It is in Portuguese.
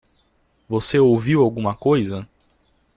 Você ouviu alguma coisa?